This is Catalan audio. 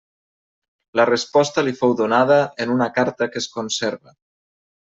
La resposta li fou donada en una carta que es conserva.